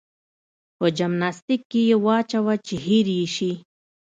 په جمناستيک کې يې واچوه چې هېر يې شي.